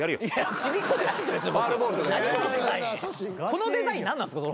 このデザイン何なんですか？